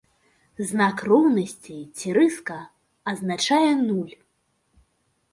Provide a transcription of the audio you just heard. Знак роўнасці ці рыска азначае нуль.